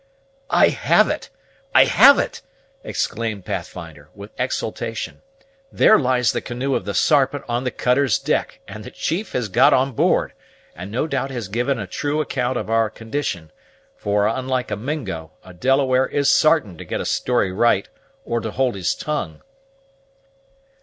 "I have it! I have it!" exclaimed Pathfinder, with exultation. "There lies the canoe of the Sarpent on the cutter's deck; and the chief has got on board, and no doubt has given a true account of our condition; for, unlike a Mingo, a Delaware is sartain to get a story right, or to hold his tongue."